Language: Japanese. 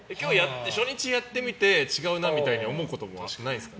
初日やってみて違うなみたいに思うことはないんですか。